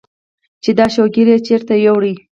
چې دا شوګر ئې چرته يوړۀ ؟